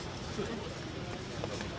kalau ngarani kan mendua